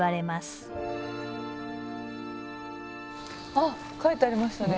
あっ書いてありましたね。